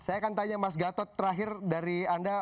saya akan tanya mas gatot terakhir dari anda